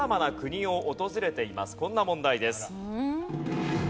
こんな問題です。